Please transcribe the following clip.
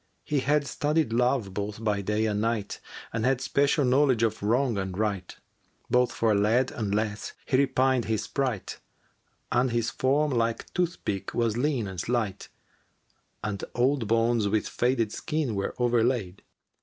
He had studied Love both by day and night * And had special knowledge of Wrong and Right; Both for lad and lass had repined his sprite, * And his form like toothpick was lean and slight, And old bones with faded skin were o'erlaid.